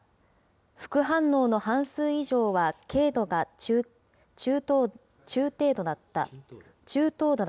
副反応の半数以上は軽度か中等度だった。